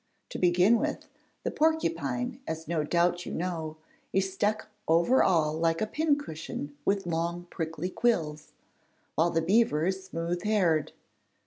To begin with, the porcupine as no doubt you know is stuck over like a pin cushion with long prickly quills, while the beaver is smooth haired.